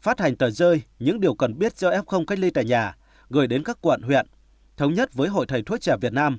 phát hành tờ rơi những điều cần biết do f cách ly tại nhà gửi đến các quận huyện thống nhất với hội thầy thuốc trẻ việt nam